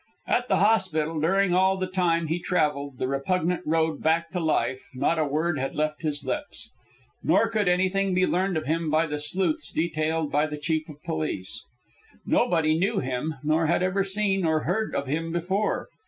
At the hospital, during all the time he travelled the repugnant road back to life, not a word had left his lips. Nor could anything be learned of him by the sleuths detailed by the chief of police. Nobody knew him, nor had ever seen or heard of him before.